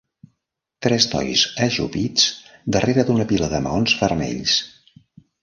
Tres nois ajupits darrere d'una pila de maons vermells.